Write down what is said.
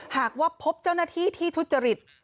หากว่าพบเจ้าหน้าที่ที่ทุจริต